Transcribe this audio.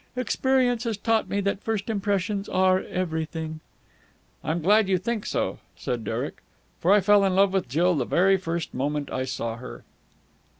Experience has taught me that first impressions are everything." "I'm glad you think so," said Derek, "for I fell in love with Jill the very first moment I saw her!"